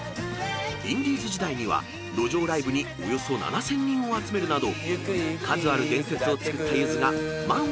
［インディーズ時代には路上ライブにおよそ７，０００人を集めるなど数ある伝説をつくったゆずが満を持して世に放った］